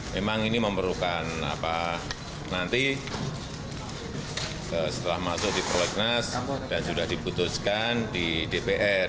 memang ini memerlukan nanti setelah masuk di prolegnas dan sudah diputuskan di dpr